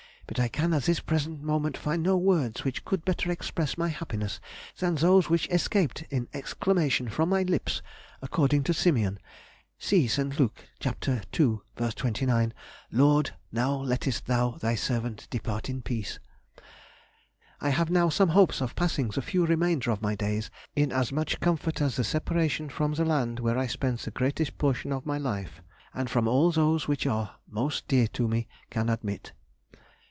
But I can at this present moment find no words which would better express my happiness than those which escaped in exclamation from my lips, according to Simeon. See St. Luke, cap. ii., v. 29: "Lord, now lettest thou thy servant depart in peace!" I have now some hopes of passing the few remainder of my days in as much comfort as the separation from the land where I spent the greatest portion of my life, and from all those which are most dear to me, can admit.